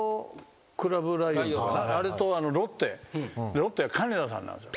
ロッテは金田さんなんですよ。